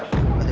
gitu dong tas